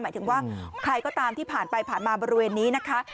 หมายถึงว่าใครก็ตามที่ผ่านไปผ่านมาบริเวณนี้นะคะ